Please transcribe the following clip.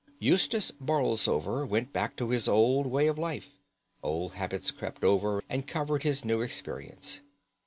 Eustace Borlsover went back to his old way of life. Old habits crept over and covered his new experience.